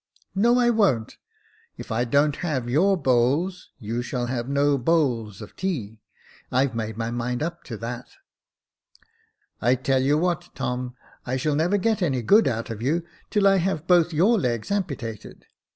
"No, I won't: if I don't have your Botules, you shall have no boivls of tea. I've made my mind up to that." *' I tell you what, Tom ; I shall never get any good out of you until I have both your legs ampitated.